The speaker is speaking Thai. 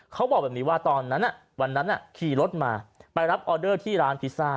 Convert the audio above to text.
เขาบอกแบบนี้ว่าตอนนั้นวันนั้นขี่รถมาไปรับออเดอร์ที่ร้านพิซซ่า